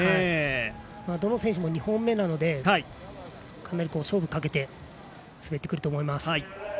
どの選手も２本目なのでかなり勝負をかけて滑ってくると思います。